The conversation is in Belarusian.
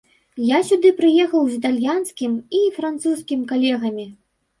Я сюды прыехаў з італьянскім і французскім калегамі.